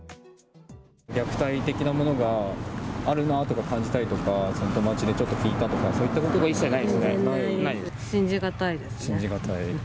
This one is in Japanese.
虐待的なものがあるなとか感じたりとか、友達でちょっと聞いたとか、そういったことも一切ないで信じ難いですね。